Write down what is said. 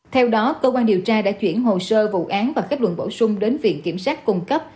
theo đó cơ quan điều tra đã chuyển hồ sơ vụ án và kết luận bổ sung đến viện kiểm sát cung cấp